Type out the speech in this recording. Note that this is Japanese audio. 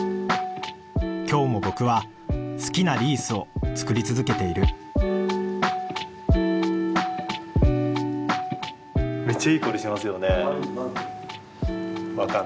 今日も僕は好きなリースを作り続けている・なんて花？